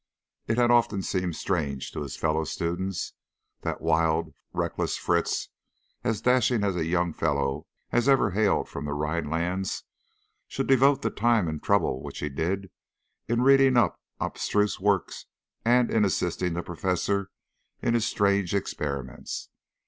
It had often seemed strange to his fellow students that wild, reckless Fritz, as dashing a young fellow as ever hailed from the Rhinelands, should devote the time and trouble which he did in reading up abstruse works and in assisting the Professor in his strange experiments.